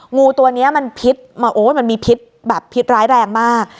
งูตัวนี้มันพิษมาโอ๊ยมันมีพิษแบบพิษร้ายแรงมาก